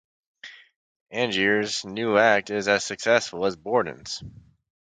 Angier's new act is as successful as Borden's.